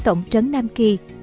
tổng trấn nam kỳ